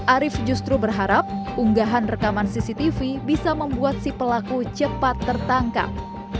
arief justru berharap unggahan rekaman cctv bisa membuat si pelaku cepat tertangkap